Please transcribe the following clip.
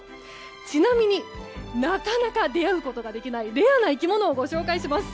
ちなみになかなか出会うことができないレアな生き物をご紹介します。